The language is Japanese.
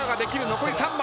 残り３枚。